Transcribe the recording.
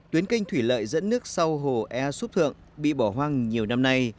tuyến canh thủy lợi dẫn nước sau hồ e xúc thượng bị bỏ hoang nhiều năm nay